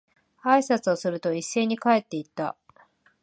挨拶をすると、一斉に帰って行った。